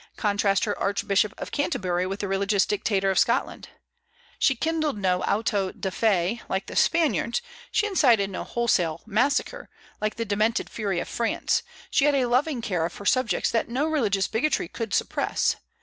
Contrast her Archbishop of Canterbury with the religious dictator of Scotland. She kindled no auto da fé, like the Spaniards; she incited no wholesale massacre, like the demented fury of France; she had a loving care of her subjects that no religious bigotry could suppress.